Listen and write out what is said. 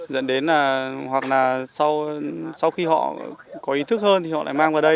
dẫn đến là hoặc là sau khi họ có ý thức hơn thì họ lại mang vào đây